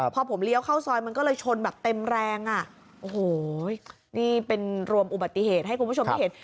พอผมเลี้ยวเข้าซอยมันก็เลยชนแบบเต็มแรงอ่ะโอ้โหนี่เป็นรวมอุบัติเหตุให้คุณผู้ชมได้เห็น